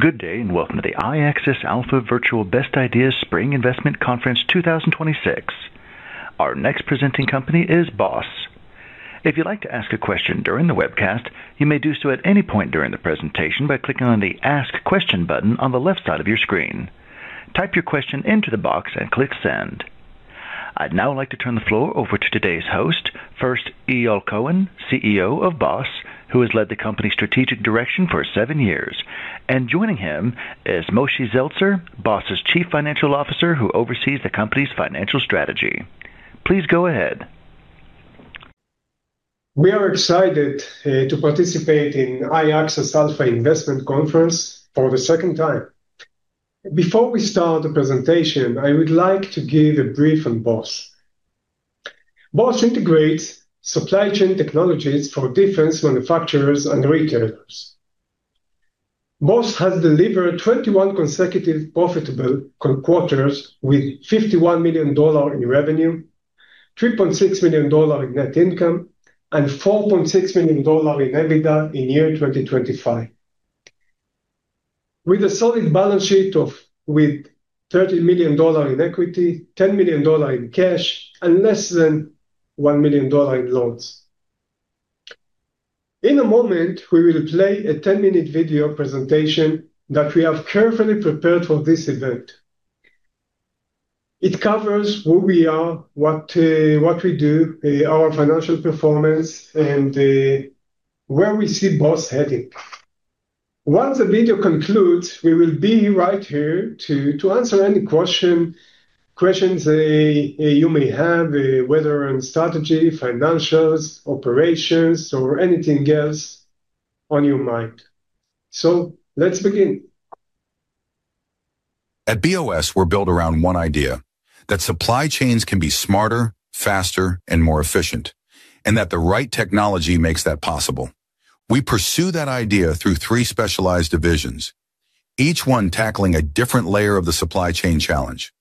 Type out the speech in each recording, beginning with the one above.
Good day, welcome to the iAccess Alpha Virtual Best Ideas Summer Investment Conference 2026. Our next presenting company is BOS. If you'd like to ask a question during the webcast, you may do so at any point during the presentation by clicking on the Ask Question button on the left side of your screen. Type your question into the box and click Send. I'd now like to turn the floor over to today's host, first, Eyal Cohen, CEO of BOS, who has led the company's strategic direction for seven years. Joining him is Moshe Zeltzer, BOS' Chief Financial Officer, who oversees the company's financial strategy. Please go ahead. We are excited to participate in iAccess Alpha Investment Conference for the second time. Before we start the presentation, I would like to give a brief on BOS. BOS integrates supply chain technologies for defense manufacturers and retailers. BOS has delivered 21 consecutive profitable quarters with $51 million in revenue, $3.6 million in net income, and $4.6 million in EBITDA in 2025. With a solid balance sheet with $30 million in equity, $10 million in cash, and less than $1 million in loans. In a moment, we will play a 10-minute video presentation that we have carefully prepared for this event. It covers who we are, what we do, our financial performance, and where we see BOS heading. Once the video concludes, we will be right here to answer any questions you may have, whether on strategy, financials, operations, or anything else on your mind. Let's begin. At BOS, we're built around one idea: that supply chains can be smarter, faster, and more efficient, and that the right technology makes that possible. We pursue that idea through three specialized divisions, each one tackling a different layer of the supply chain challenge.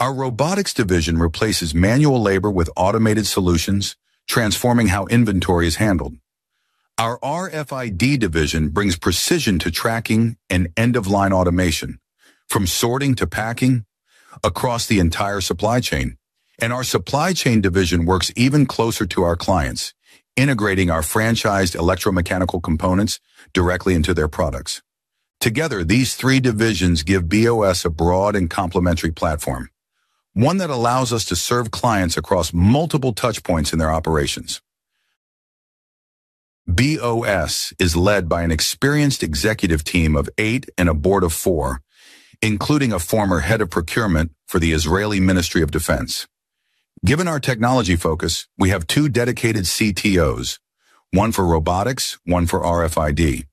Our robotics division replaces manual labor with automated solutions, transforming how inventory is handled. Our RFID division brings precision to tracking and end-of-line automation, from sorting to packing across the entire supply chain. Our supply chain division works even closer to our clients, integrating our franchised electromechanical components directly into their products. Together, these three divisions give BOS a broad and complementary platform, one that allows us to serve clients across multiple touchpoints in their operations. BOS is led by an experienced executive team of eight and a board of four, including a former head of procurement for the Israel Ministry of Defense. Given our technology focus, we have two dedicated CTOs, one for robotics, one for RFID.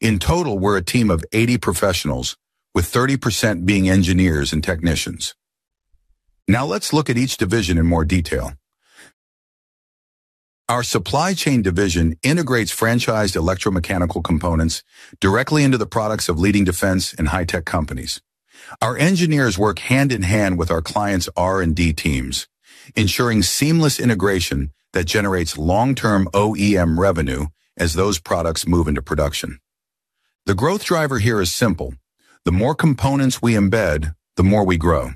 In total, we're a team of 80 professionals, with 30% being engineers and technicians. Let's look at each division in more detail. Our supply chain division integrates franchised electromechanical components directly into the products of leading defense and high-tech companies. Our engineers work hand in hand with our clients' R&D teams, ensuring seamless integration that generates long-term OEM revenue as those products move into production. The growth driver here is simple: The more components we embed, the more we grow.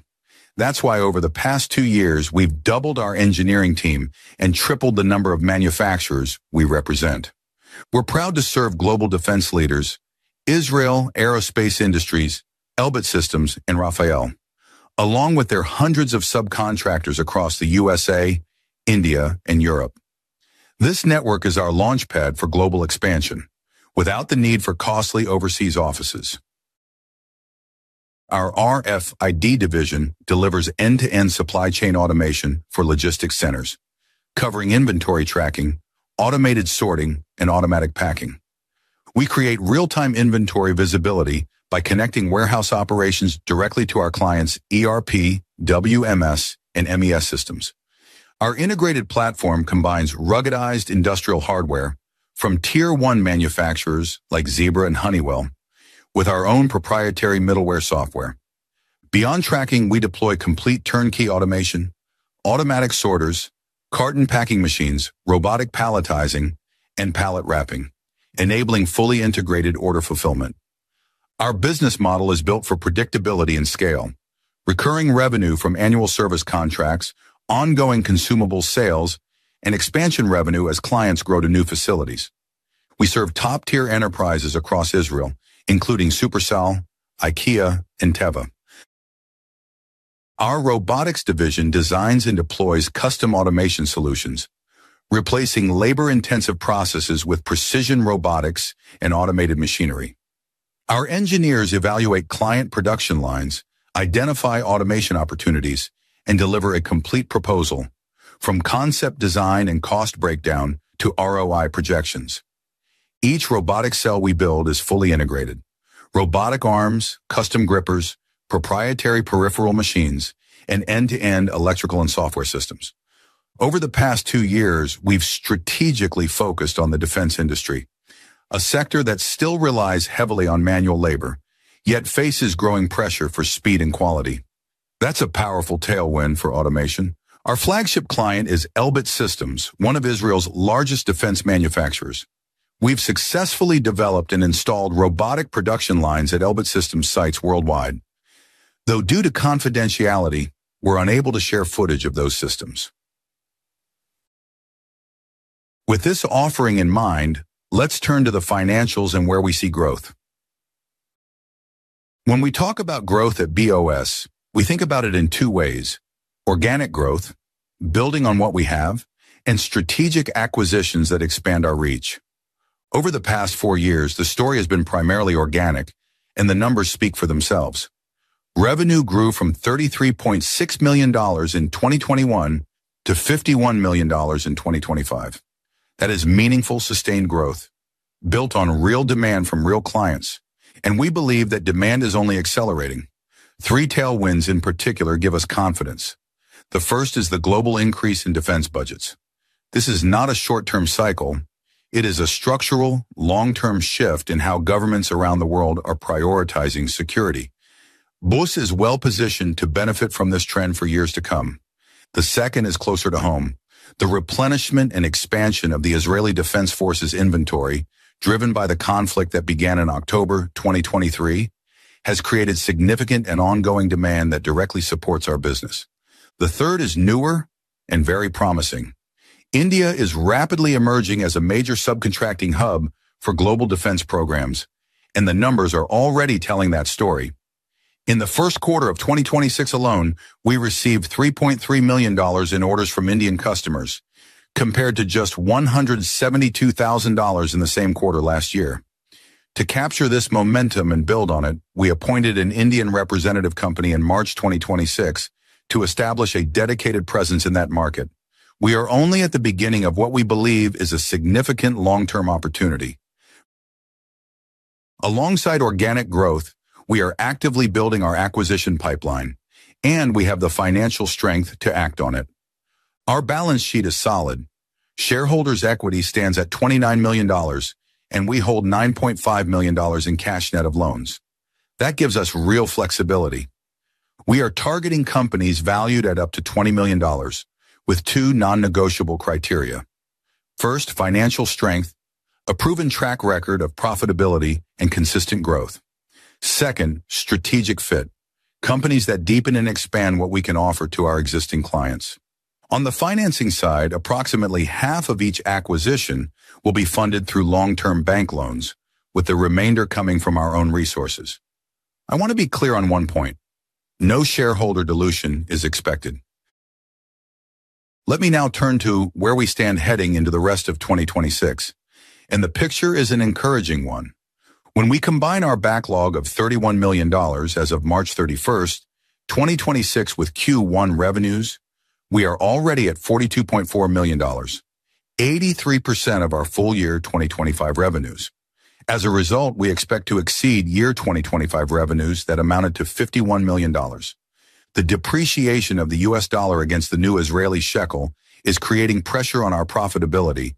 That's why over the past two years, we've doubled our engineering team and tripled the number of manufacturers we represent. We're proud to serve global defense leaders Israel Aerospace Industries, Elbit Systems, and Rafael, along with their hundreds of subcontractors across the USA, India, and Europe. This network is our launchpad for global expansion without the need for costly overseas offices. Our RFID division delivers end-to-end supply chain automation for logistics centers, covering inventory tracking, automated sorting, and automatic packing. We create real-time inventory visibility by connecting warehouse operations directly to our clients' ERP, WMS, and MES systems. Our integrated platform combines ruggedized industrial hardware from tier 1 manufacturers like Zebra and Honeywell with our own proprietary middleware software. Beyond tracking, we deploy complete turnkey automation, automatic sorters, carton packing machines, robotic palletizing, and pallet wrapping, enabling fully integrated order fulfillment. Our business model is built for predictability and scale, recurring revenue from annual service contracts, ongoing consumable sales, and expansion revenue as clients grow to new facilities. We serve top-tier enterprises across Israel, including Shufersal, IKEA, and Teva. Our robotics division designs and deploys custom automation solutions, replacing labor-intensive processes with precision robotics and automated machinery. Our engineers evaluate client production lines, identify automation opportunities, and deliver a complete proposal from concept design and cost breakdown to ROI projections. Each robotic cell we build is fully integrated. Robotic arms, custom grippers, proprietary peripheral machines, and end-to-end electrical and software systems. Over the past two years, we've strategically focused on the defense industry, a sector that still relies heavily on manual labor, yet faces growing pressure for speed and quality. That's a powerful tailwind for automation. Our flagship client is Elbit Systems, one of Israel's largest defense manufacturers. We've successfully developed and installed robotic production lines at Elbit Systems sites worldwide. Though due to confidentiality, we're unable to share footage of those systems. With this offering in mind, let's turn to the financials and where we see growth. When we talk about growth at BOS, we think about it in two ways: organic growth, building on what we have, and strategic acquisitions that expand our reach. Over the past four years, the story has been primarily organic, and the numbers speak for themselves. Revenue grew from $33.6 million in 2021 to $51 million in 2025. That is meaningful, sustained growth built on real demand from real clients, and we believe that demand is only accelerating. Three tailwinds in particular give us confidence. The first is the global increase in defense budgets. This is not a short-term cycle. It is a structural, long-term shift in how governments around the world are prioritizing security. BOS is well-positioned to benefit from this trend for years to come. The second is closer to home. The replenishment and expansion of the Israel Defense Forces inventory, driven by the conflict that began in October 2023, has created significant and ongoing demand that directly supports our business. The third is newer and very promising. India is rapidly emerging as a major subcontracting hub for global defense programs, and the numbers are already telling that story. In the first quarter of 2026 alone, we received $3.3 million in orders from Indian customers, compared to just $172,000 in the same quarter last year. To capture this momentum and build on it, we appointed an Indian representative company in March 2026 to establish a dedicated presence in that market. We are only at the beginning of what we believe is a significant long-term opportunity. Alongside organic growth, we are actively building our acquisition pipeline, and we have the financial strength to act on it. Our balance sheet is solid. Shareholders' equity stands at $29 million, and we hold $9.5 million in cash net of loans. That gives us real flexibility. We are targeting companies valued at up to $20 million with two non-negotiable criteria. First, financial strength, a proven track record of profitability and consistent growth. Second, strategic fit, companies that deepen and expand what we can offer to our existing clients. On the financing side, approximately half of each acquisition will be funded through long-term bank loans, with the remainder coming from our own resources. I want to be clear on one point. No shareholder dilution is expected. Let me now turn to where we stand heading into the rest of 2026, the picture is an encouraging one. When we combine our backlog of $31 million as of March 31st, 2026, with Q1 revenues, we are already at $42.4 million, 83% of our full year 2025 revenues. We expect to exceed year 2025 revenues that amounted to $51 million. The depreciation of the US dollar against the new Israeli shekel is creating pressure on our profitability,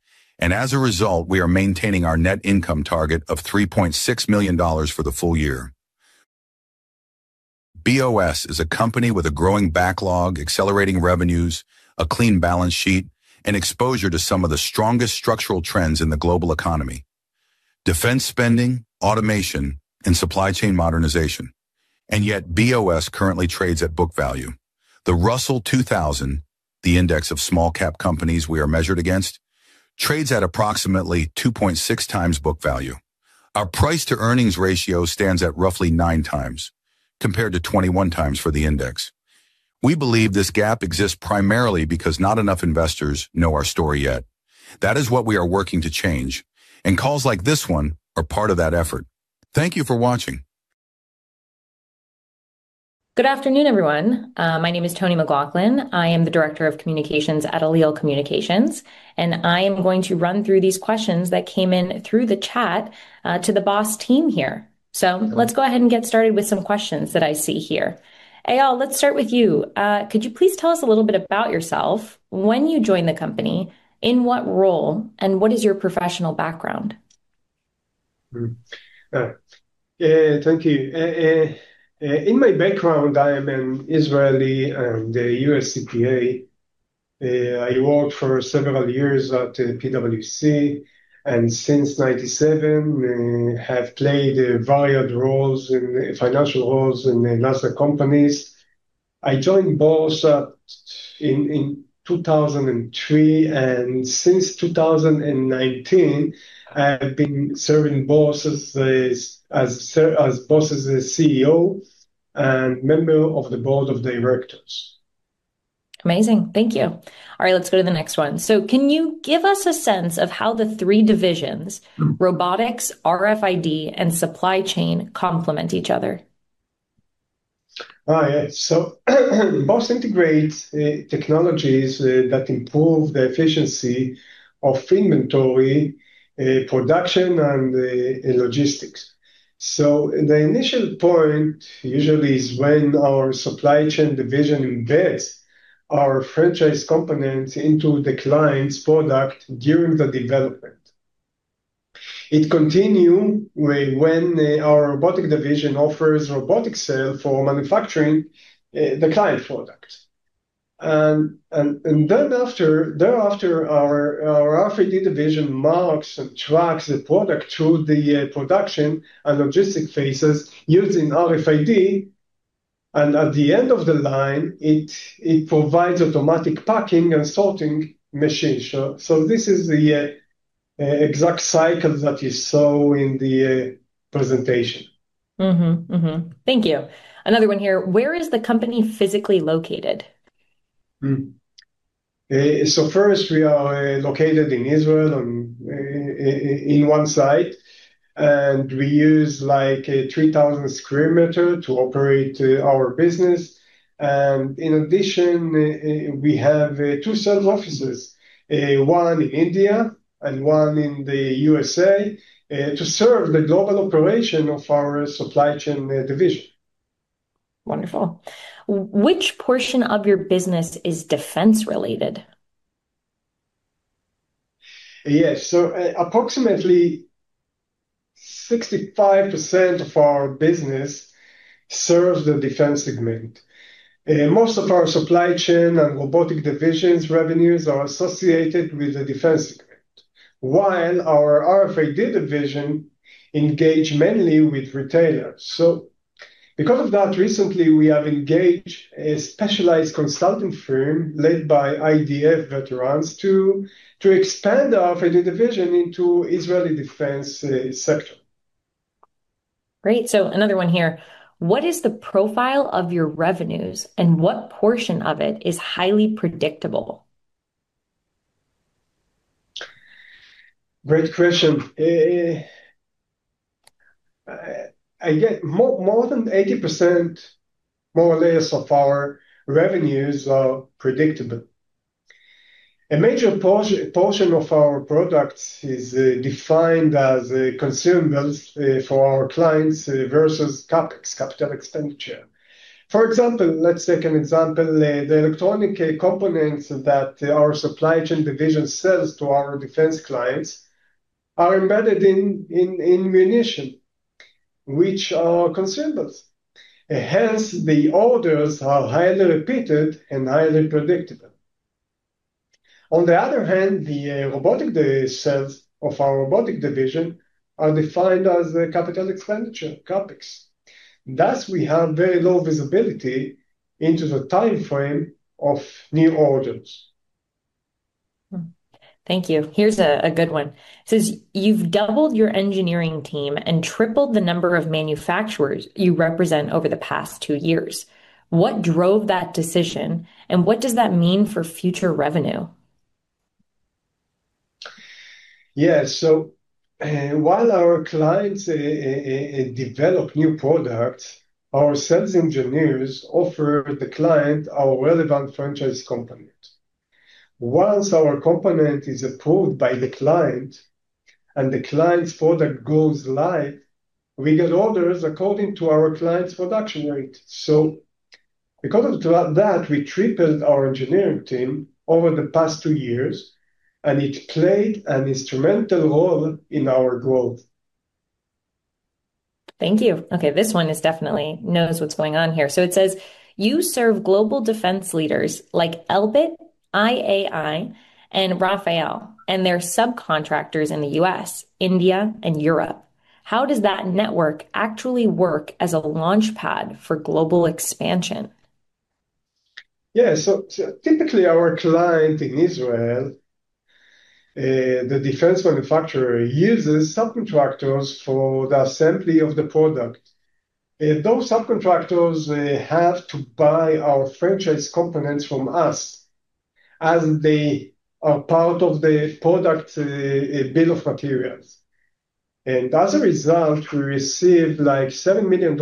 we are maintaining our net income target of $3.6 million for the full year. BOS is a company with a growing backlog, accelerating revenues, a clean balance sheet, and exposure to some of the strongest structural trends in the global economy: defense spending, automation, and supply chain modernization. Yet BOS currently trades at book value. The Russell 2000, the index of small cap companies we are measured against, trades at approximately 2.6 times book value. Our price to earnings ratio stands at roughly nine times, compared to 21 times for the index. We believe this gap exists primarily because not enough investors know our story yet. That is what we are working to change, calls like this one are part of that effort. Thank you for watching. Good afternoon, everyone. My name is Toni McLaughlin. I am the director of communications at Allele Communications, I am going to run through these questions that came in through the chat, to the BOS team here. Let's go ahead and get started with some questions that I see here. Eyal, let's start with you. Could you please tell us a little bit about yourself, when you joined the company, in what role, and what is your professional background? Thank you. In my background, I am an Israeli and a U.S. CPA. I worked for several years at PwC, and since 1997, have played varied financial roles in Nasdaq companies. I joined BOS in 2003, and since 2019, I've been serving BOS as the CEO and member of the board of directors. Amazing. Thank you. All right. Let's go to the next one. Can you give us a sense of how the three divisions, robotics, RFID, and supply chain complement each other? Yeah. BOS integrates technologies that improve the efficiency of inventory, production, and logistics. The initial point usually is when our supply chain division embeds our franchise components into the client's product during the development It continue when our robotic division offers robotic cell for manufacturing the client product. Thereafter, our RFID division marks and tracks the product through the production and logistic phases using RFID, and at the end of the line, it provides automatic packing and sorting machines. This is the exact cycle that you saw in the presentation. Mm-hmm. Thank you. Another one here, where is the company physically located? First, we are located in Israel in one site, and we use 3,000 sq m to operate our business. In addition, we have two sales offices, one in India and one in the U.S.A., to serve the global operation of our supply chain division. Wonderful. Which portion of your business is defense related? Yes. Approximately 65% of our business serves the defense segment. Most of our supply chain and robotic divisions revenues are associated with the defense segment, while our RFID division engage mainly with retailers. Because of that, recently we have engaged a specialized consulting firm led by IDF veterans to expand our RFID division into Israeli defense sector. Great. Another one here, what is the profile of your revenues and what portion of it is highly predictable? Great question. More than 80%, more or less, of our revenues are predictable. A major portion of our products is defined as consumables for our clients versus CapEx, capital expenditure. For example, let's take an example. The electronic components that our supply chain division sells to our defense clients are embedded in munition, which are consumables, hence the orders are highly repeated and highly predictable. On the other hand, the robotic cells of our robotic division are defined as a capital expenditure, CapEx, thus we have very low visibility into the timeframe of new orders. Thank you. Here's a good one. It says, "You've doubled your engineering team and tripled the number of manufacturers you represent over the past two years. What drove that decision, and what does that mean for future revenue? Yeah, while our clients develop new product, our sales engineers offer the client our relevant franchise component. Once our component is approved by the client and the client's product goes live, we get orders according to our client's production rate. Because of that, we tripled our engineering team over the past two years, and it played an instrumental role in our growth. Thank you. Okay, this one definitely knows what's going on here. It says, "You serve global defense leaders like Elbit, IAI, and Rafael, and their subcontractors in the U.S., India, and Europe. How does that network actually work as a launchpad for global expansion? Typically our client in Israel, the defense manufacturer uses subcontractors for the assembly of the product. Those subcontractors have to buy our franchise components from us, as they are part of the product bill of materials. As a result, we received $7 million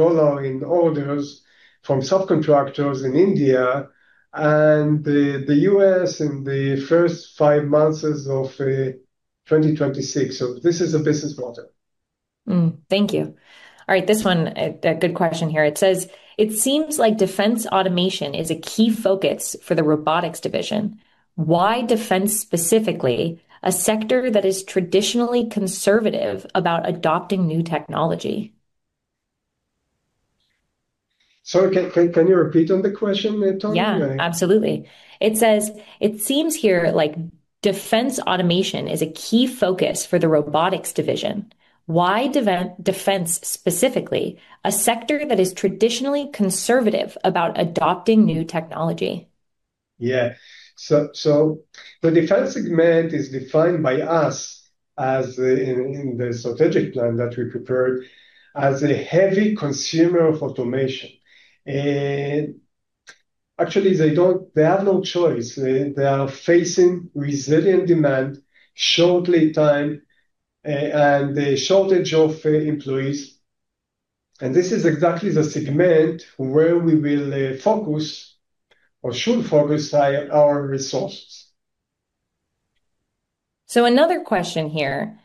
in orders from subcontractors in India and the U.S. in the first five months of 2026. This is a business model. Thank you. All right. This one, a good question here. It says, "It seems like defense automation is a key focus for the robotics division. Why defense specifically, a sector that is traditionally conservative about adopting new technology? Sorry, can you repeat on the question, Toni? Absolutely. It says, "It seems here like defense automation is a key focus for the robotics division. Why defense specifically, a sector that is traditionally conservative about adopting new technology? Yeah. The defense segment is defined by us as in the strategic plan that we prepared as a heavy consumer of automation. Actually, they have no choice. They are facing resilient demand, short lead time, and the shortage of employees, and this is exactly the segment where we will focus or should focus our resources. Another question here.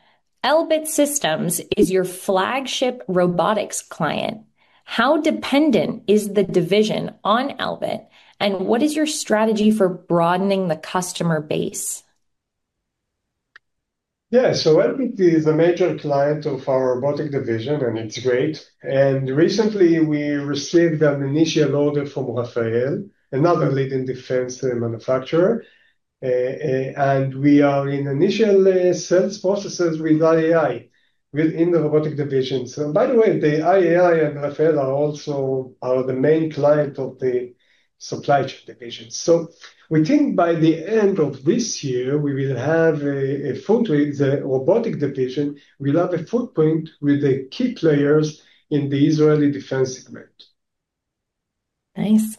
Elbit Systems is your flagship robotics client. How dependent is the division on Elbit, and what is your strategy for broadening the customer base? Yeah. Elbit is a major client of our robotic division, and it's great. Recently, we received an initial order from Rafael, another leading defense manufacturer. We are in initial sales processes with IAI within the robotic division. By the way, the IAI and Rafael are also the main client of the supply chain division. We think by the end of this year, the robotic division will have a footprint with the key players in the Israeli defense segment. Nice.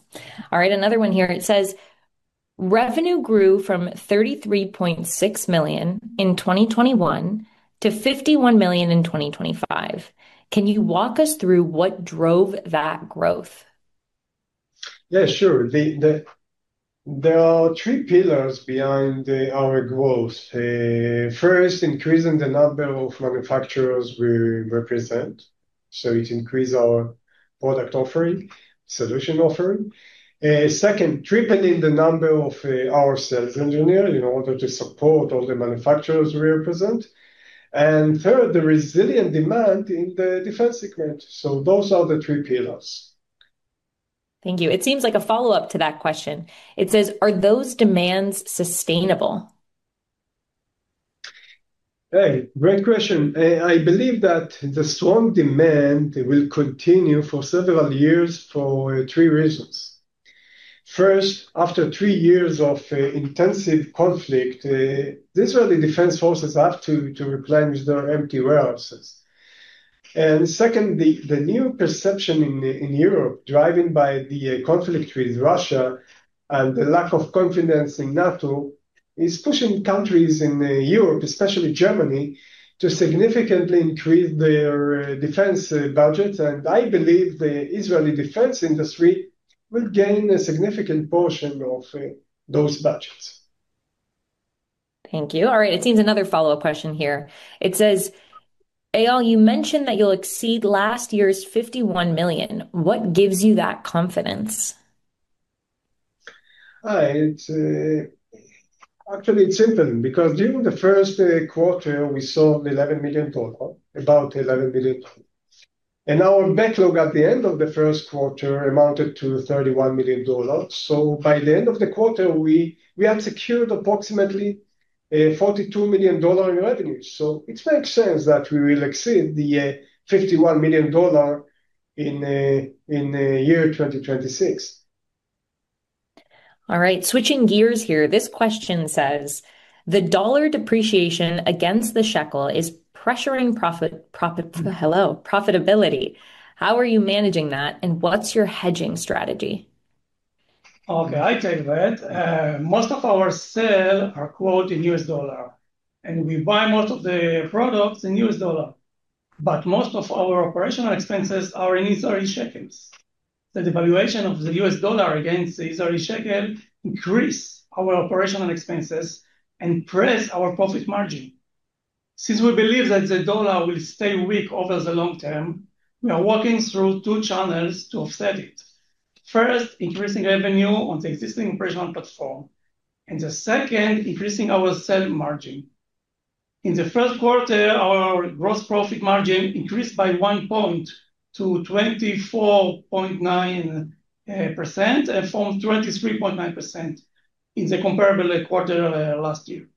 All right, another one here. It says, "Revenue grew from $33.6 million in 2021 to $51 million in 2025. Can you walk us through what drove that growth? Yeah, sure. There are three pillars behind our growth. First, increasing the number of manufacturers we represent, so it increase our product offering, solution offering. Second, tripling the number of our sales engineer in order to support all the manufacturers we represent. Third, the resilient demand in the defense segment. Those are the three pillars. Thank you. It seems like a follow-up to that question. It says, "Are those demands sustainable? Hey, great question. I believe that the strong demand will continue for several years for three reasons. First, after three years of intensive conflict, the Israel Defense Forces have to replenish their empty warehouses. Second, the new perception in Europe, driven by the conflict with Russia and the lack of confidence in NATO, is pushing countries in Europe, especially Germany, to significantly increase their defense budget, and I believe the Israeli defense industry will gain a significant portion of those budgets. Thank you. All right, it seems another follow-up question here. It says, "Eyal, you mentioned that you'll exceed last year's $51 million. What gives you that confidence? It's simple, because during the first quarter, we sold 11 million total, about 11 million. Our backlog at the end of the first quarter amounted to $31 million. By the end of the quarter, we have secured approximately $42 million in revenue, it makes sense that we will exceed the $51 million in the year 2026. All right, switching gears here. This question says, "The dollar depreciation against the shekel is pressuring profitability. How are you managing that, and what's your hedging strategy? Okay, I take that. Most of our sales are quoted in US dollars, we buy most of the products in US dollars. Most of our operational expenses are in Israeli shekels. The devaluation of the US dollar against the Israeli shekel increases our operational expenses and pressures our profit margin. Since we believe that the dollar will stay weak over the long term, we are working through two channels to offset it. First, increasing revenue on the existing operational platform. The second, increasing our selling margin. In the first quarter, our gross profit margin increased by one point to 24.9% from 23.9% in the comparable quarter last year.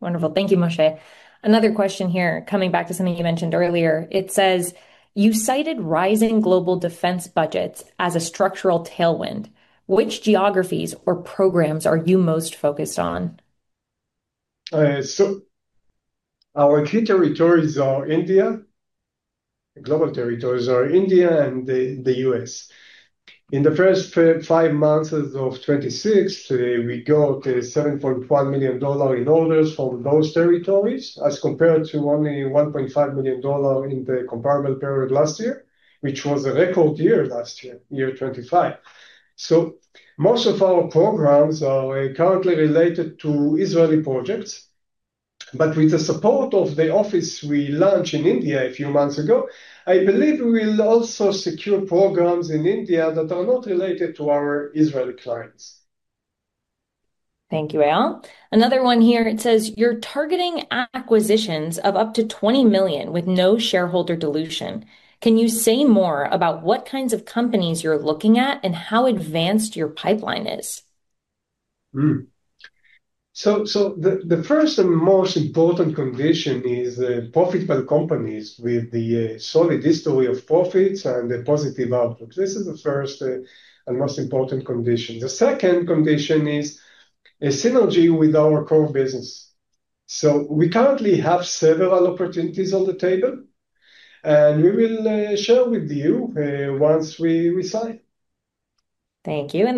Wonderful. Thank you, Moshe. Another question here, coming back to something you mentioned earlier. It says, "You cited rising global defense budgets as a structural tailwind. Which geographies or programs are you most focused on? Our key territories are India. Global territories are India and the U.S. In the first five months of 2026, we got $7.1 million in orders from those territories as compared to only $1.5 million in the comparable period last year, which was a record year last year, 2025. Most of our programs are currently related to Israeli projects, but with the support of the office we launched in India a few months ago, I believe we will also secure programs in India that are not related to our Israeli clients. Thank you, Eyal. Another one here, it says, "You are targeting acquisitions of up to $20 million with no shareholder dilution. Can you say more about what kinds of companies you are looking at and how advanced your pipeline is? The first and most important condition is profitable companies with a solid history of profits and a positive outlook. This is the first and most important condition. The second condition is a synergy with our core business. We currently have several opportunities on the table, and we will share with you once we decide. Thank you.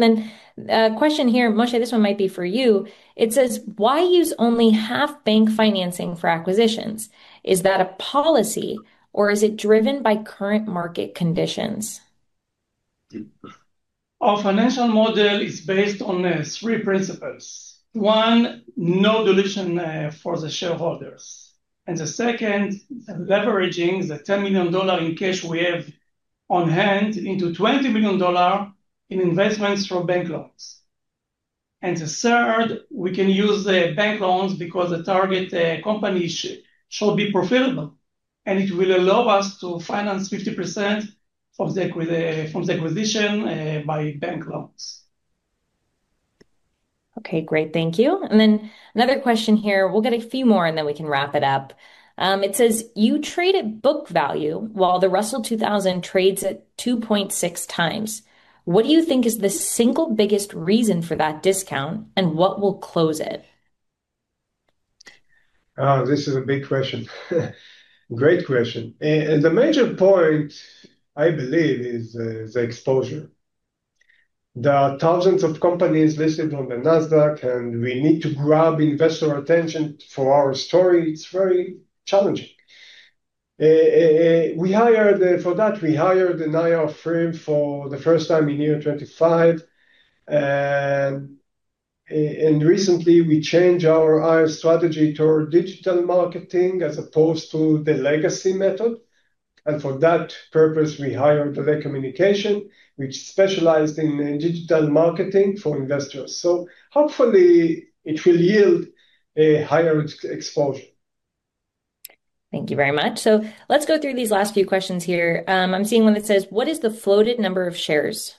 A question here, Moshe, this one might be for you. It says, "Why use only half bank financing for acquisitions? Is that a policy, or is it driven by current market conditions? Our financial model is based on three principles. One, no dilution for the shareholders. The second, leveraging the $10 million in cash we have on hand into $20 million in investments from bank loans. The third, we can use the bank loans because the target company shall be profitable, and it will allow us to finance 50% from the acquisition by bank loans. Okay, great. Thank you. Then another question here. We'll get a few more, and then we can wrap it up. It says, "You trade at book value while the Russell 2000 trades at 2.6 times. What do you think is the single biggest reason for that discount, and what will close it? This is a big question. Great question. The major point, I believe, is the exposure. There are thousands of companies listed on the Nasdaq, and we need to grab investor attention for our story. It's very challenging. For that, we hired an IR firm for the first time in year 2025, recently we changed our strategy toward digital marketing as opposed to the legacy method. For that purpose, we hired the Recommunication, which specialized in digital marketing for investors. Hopefully, it will yield a higher exposure. Thank you very much. Let's go through these last few questions here. I'm seeing one that says, "What is the floated number of shares?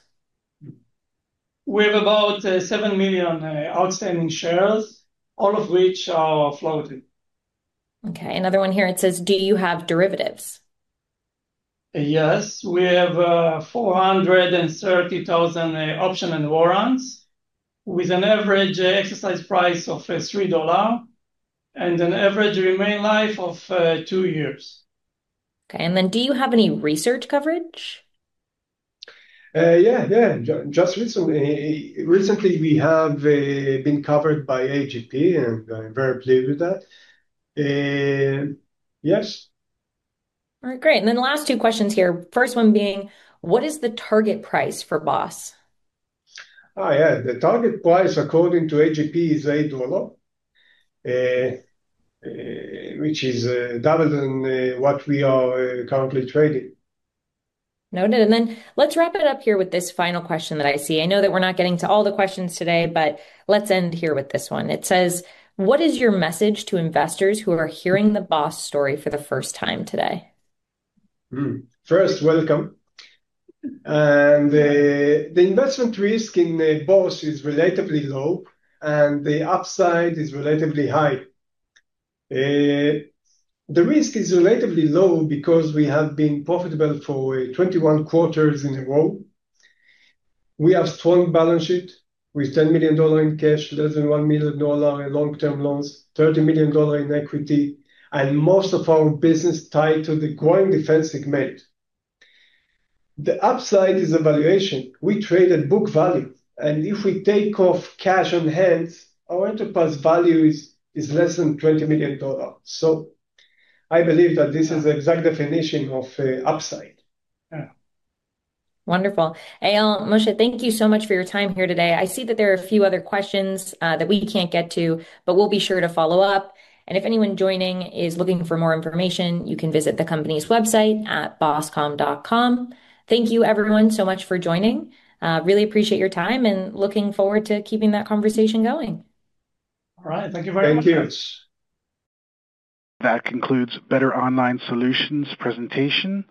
We have about 7 million outstanding shares, all of which are floated. Okay. Another one here, it says, "Do you have derivatives? Yes, we have 430,000 option and warrants with an average exercise price of $3 and an average remaining life of two years. Okay, "Do you have any research coverage? Yes. Just recently we have been covered by A.G.P., and I am very pleased with that. Yes. The last two questions here. First one being, "What is the target price for BOS? Oh, yeah. The target price according to A.G.P. is $8, which is double than what we are currently trading. Noted. Let's wrap it up here with this final question that I see. I know that we are not getting to all the questions today, but let's end here with this one. It says, "What is your message to investors who are hearing the BOS story for the first time today? First, welcome. The investment risk in BOS is relatively low, and the upside is relatively high. The risk is relatively low because we have been profitable for 21 quarters in a row. We have strong balance sheet with $10 million in cash, less than $1 million in long-term loans, $30 million in equity, and most of our business tied to the growing defense segment. The upside is the valuation. We trade at book value, and if we take off cash on hand, our enterprise value is less than $20 million. I believe that this is the exact definition of upside. Yeah. Wonderful. Eyal, Moshe, thank you so much for your time here today. I see that there are a few other questions that we can't get to, but we'll be sure to follow up. If anyone joining is looking for more information, you can visit the company's website at boscom.com. Thank you everyone so much for joining. Really appreciate your time and looking forward to keeping that conversation going. All right. Thank you very much. Thank you. That concludes Better Online Solutions' presentation.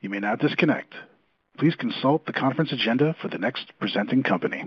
You may now disconnect. Please consult the conference agenda for the next presenting company